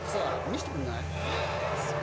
見してくんない？